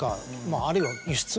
あるいは輸出。